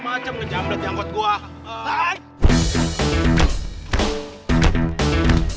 lagi cuma kantong kresek doang